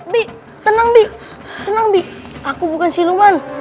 bi tenang bi senang bi aku bukan siluman